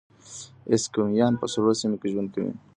اسکیمویان په سړو سیمو کې ژوند کوي.